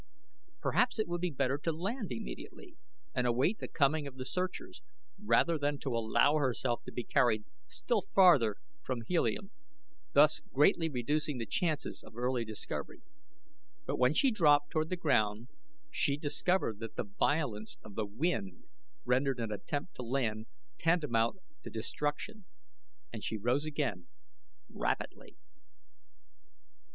Perhaps it would be better to land immediately and await the coming of the searchers, rather than to allow herself to be carried still further from Helium, thus greatly reducing the chances of early discovery; but when she dropped toward the ground she discovered that the violence of the wind rendered an attempt to land tantamount to destruction and she rose again, rapidly.